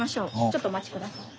ちょっとお待ち下さい。